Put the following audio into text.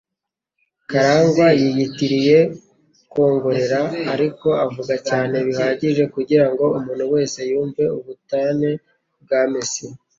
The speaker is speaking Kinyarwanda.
Karangwa yiyitiriye kwongorera, ariko avuga cyane bihagije kugirango umuntu wese yumve, ubutane bwa Messy.